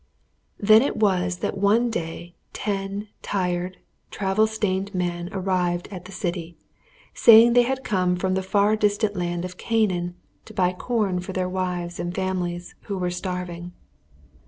] Then it was that one day ten tired, travel stained men arrived at the city, saying they had come from the far distant land of Canaan to buy corn for their wives and families, who were starving.